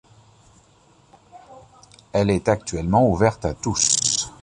Elle est actuellement ouverte à tous.